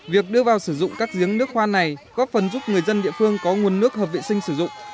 việc đưa vào sử dụng các giếng nước khoan này góp phần giúp người dân địa phương có nguồn nước hợp vệ sinh sử dụng